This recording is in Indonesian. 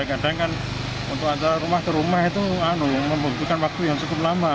kadang kan untuk antar rumah ke rumah itu membutuhkan waktu yang cukup lama